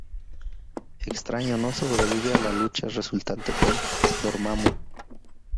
Extraño no sobrevive a la lucha resultante con Dormammu.